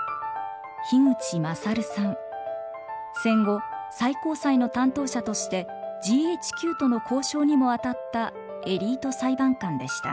戦後最高裁の担当者としてＧＨＱとの交渉にもあたったエリート裁判官でした。